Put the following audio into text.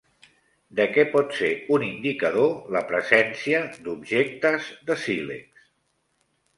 De què pot ser un indicador la presència d'objectes de sílex?